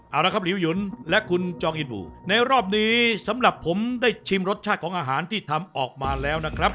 เอาละครับหลิวหยุนและคุณจองอินบูในรอบนี้สำหรับผมได้ชิมรสชาติของอาหารที่ทำออกมาแล้วนะครับ